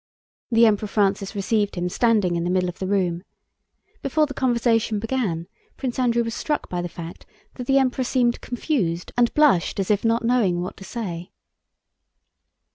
The Emperor Francis received him standing in the middle of the room. Before the conversation began Prince Andrew was struck by the fact that the Emperor seemed confused and blushed as if not knowing what to say.